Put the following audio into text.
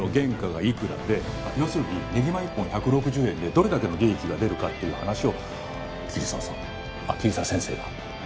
要するにねぎま１本１６０円でどれだけの利益が出るかっていう話を桐沢さんあっ桐沢先生が。